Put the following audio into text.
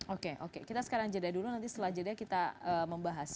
oke oke kita sekarang jeda dulu nanti setelah jeda kita membahas